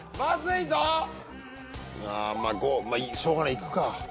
５しようがないいくか。